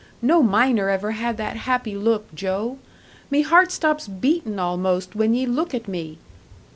No miner ever had that happy look, Joe; me heart stops beatin' almost when ye look at me!"